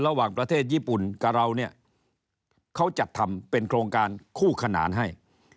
ระหว่างประเทศญี่ปุ่นกับเราเนี่ยเขาจัดทำเป็นโครงการคู่ขนานให้